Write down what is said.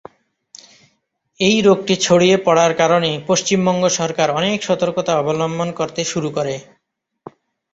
এই রোগটি ছড়িয়ে পড়ার কারণে পশ্চিমবঙ্গ সরকার অনেক সতর্কতা অবলম্বন করতে শুরু করে।